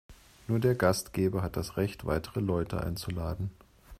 Nur der Gastgeber hat das Recht, weitere Leute einzuladen.